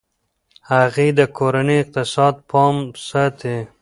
هغې د کورني اقتصاد پام ساتي.